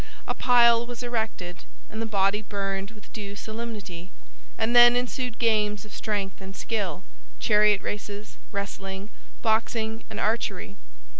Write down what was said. A pile was erected, and the body burned with due solemnity; and then ensued games of strength and skill, chariot races, wrestling, boxing, and archery.